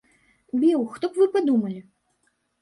Біў, хто б вы падумалі?